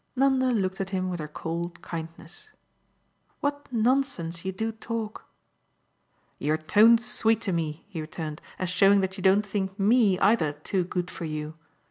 '" Nanda looked at him with her cold kindness. "What nonsense you do talk!" "Your tone's sweet to me," he returned, "as showing that you don't think ME, either, too good for you.